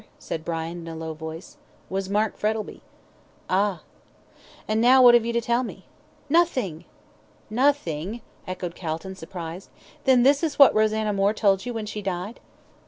said Brian, in a low voice. "Was Mark Frettlby." "Ah!" "And now what have you to tell me?" "Nothing!" "Nothing," echoed Calton, surprised, "then this is what Rosanna Moore told you when she died?"